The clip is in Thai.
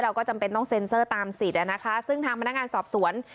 จำเป็นต้องเซ็นเซอร์ตามสิทธิ์ซึ่งทางพนักงานสอบสวน